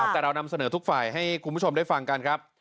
แต่เรานำเสนอทุกฝ่ายให้คุณผู้ชมได้ฟังกันครับ